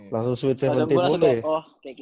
langsung switchnya mentih mute ya